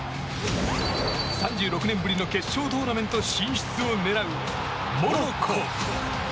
３６年ぶりの決勝トーナメント進出を狙うモロッコ。